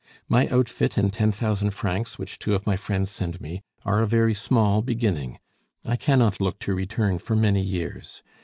My outfit and ten thousand francs, which two of my friends send me, are a very small beginning. I cannot look to return for many years.